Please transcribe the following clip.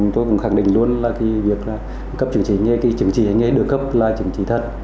tôi cũng khẳng định luôn là việc cấp chứng chỉ hành nghề chứng chỉ hành nghề được cấp là chứng chỉ thật